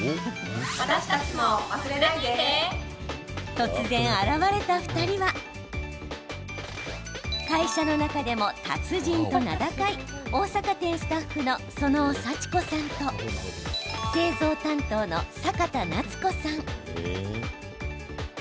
突然、現れた２人は会社の中でも達人と名高い大阪店スタッフの園尾幸子さんと製造担当の阪田菜津子さん。